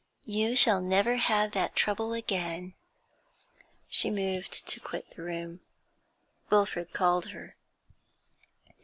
You shall never have that trouble again.' She moved to quit the room. Wilfrid called her.